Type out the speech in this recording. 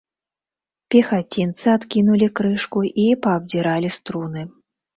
Пехацінцы адкінулі крышку і паабдзіралі струны.